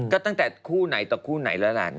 ก็ตั้งแต่คู่ไหนต่อคู่ไหนแล้วล่ะ